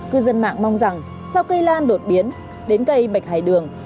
cư dân mạng mong rằng sau cây lan đột biến đến cây bạch hải đường